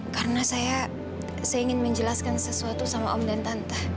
karena saya saya ingin menjelaskan sesuatu sama om dan tante